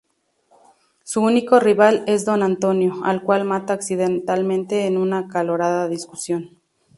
Su único rival es don Antonio, al cual mata accidentalmente en una acalorada discusión.